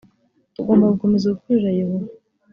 tugomba gukomeza gukorera yehova